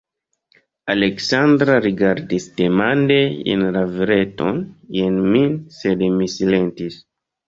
Aleksandra rigardis demande jen la vireton, jen min, sed mi silentis.